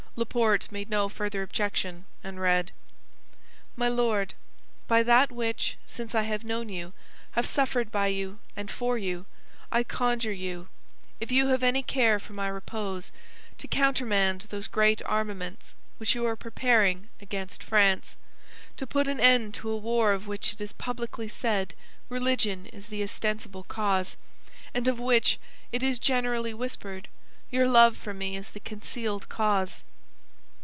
Laporte made no further objection, and read: "MY LORD, By that which, since I have known you, have suffered by you and for you, I conjure you, if you have any care for my repose, to countermand those great armaments which you are preparing against France, to put an end to a war of which it is publicly said religion is the ostensible cause, and of which, it is generally whispered, your love for me is the concealed cause.